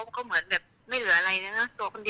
ตอนนั้นที่แบบว่าเหมือนเที่ยงความไปอะไรอย่างนี้